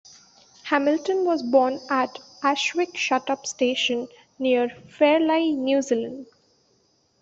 Hamilton was born at Ashwick shutup Station near Fairlie, New Zealand.